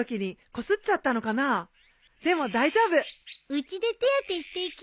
うちで手当てしていきなよ！